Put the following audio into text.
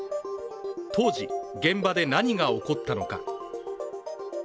当時、現場で何が起こったのか。